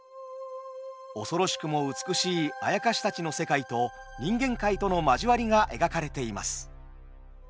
恐ろしくも美しいあやかしたちの世界と人間界との交わりが描かれています。